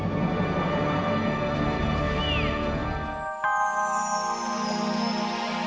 terima kasih tuhan